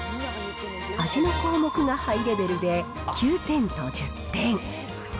味の項目がハイレベルで、９点と１０点。